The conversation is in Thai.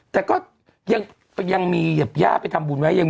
แต่ยัยังมีใหญ่